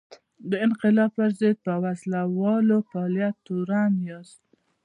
د انقلاب پر ضد په وسله وال فعالیت تورن یاست.